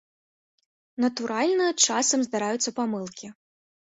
Натуральна, часам здараюцца памылкі.